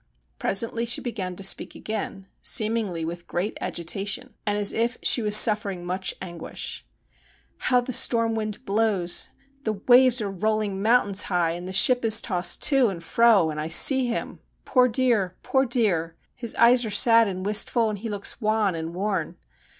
Presently she began to speak again, seemingly with great agitation, and as if she was suffering much anguish. ' How the storm wind blows ! The waves are rolling mountains high, and the ship is tossed to and fro, and I see him. Poor dear ! poor dear ! His eyes are sad and wistful, and he looks wan and worn.